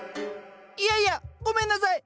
いやいやごめんなさい。